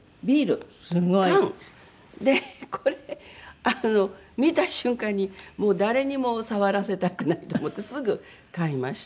これ見た瞬間にもう誰にも触らせたくないと思ってすぐ買いました。